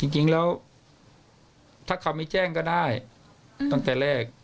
จริงแล้วถ้าเขาไม่แจ้งก็ได้ตั้งแต่แรก